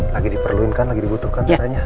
lagi diperluinkan lagi dibutuhkan padanya